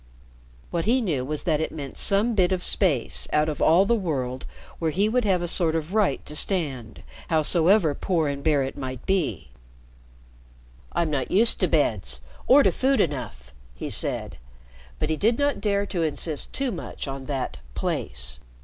What he knew was that it meant some bit of space, out of all the world, where he would have a sort of right to stand, howsoever poor and bare it might be. "I'm not used to beds or to food enough," he said. But he did not dare to insist too much on that "place."